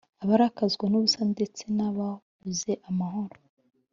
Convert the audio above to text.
abarakazwa n’ubusa ndetse n’ababuze amahoro